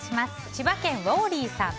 千葉県の方。